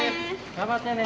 頑張ってね！